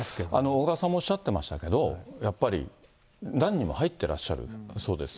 小川さんもおっしゃっていましたけど、やっぱり何人も入ってらっしゃるそうです。